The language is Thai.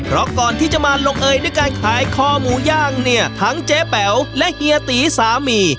เพราะก่อนที่จะมาลงเอยด้วยการขายคอหมูย่างเนี่ยทั้งเจ๊แป๋วและเฮียตีสามี